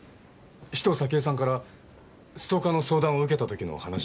紫藤咲江さんからストーカーの相談を受けた時の話ですか？